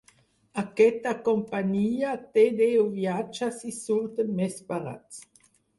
Aquesta companyia té deu viatges i surten més barats.